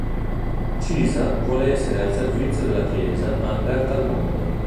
Cisa vuole essere al servizio della Chiesa ma aperta al mondo.